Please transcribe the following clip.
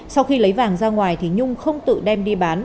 sau khi lấy vàng ra ngoài thì nhung không tự đem đi bán